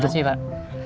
terima kasih pak